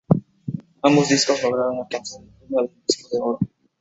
Ambos discos lograron alcanzar el premio del "Disco de Oro".